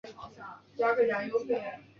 其子刘从谏被拥立。